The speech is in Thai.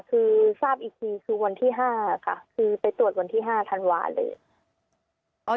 คือทราบอีกทีคือวันที่๕ค่ะคือไปตรวจวันที่๕ธันวาเลย